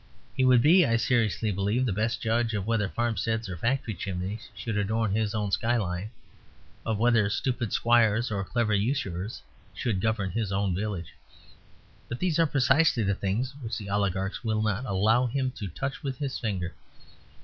He would be, I seriously believe, the best judge of whether farmsteads or factory chimneys should adorn his own sky line, of whether stupid squires or clever usurers should govern his own village. But these are precisely the things which the oligarchs will not allow him to touch with his finger.